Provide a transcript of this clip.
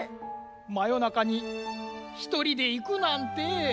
まよなかにひとりでいくなんて。